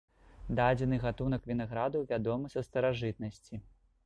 Дадзены гатунак вінаграду вядомы са старажытнасці.